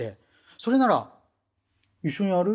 それなら一緒にやる？